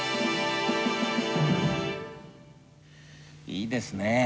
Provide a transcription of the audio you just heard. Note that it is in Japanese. いいですね。